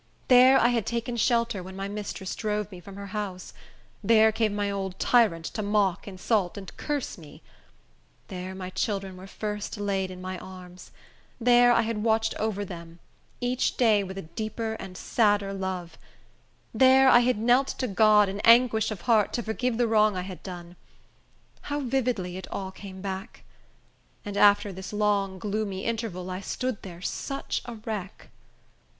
There I had taken shelter when my mistress drove me from her house; there came my old tyrant, to mock, insult, and curse me; there my children were first laid in my arms; there I had watched over them, each day with a deeper and sadder love; there I had knelt to God, in anguish of heart, to forgive the wrong I had done. How vividly it all came back! And after this long, gloomy interval, I stood there such a wreck!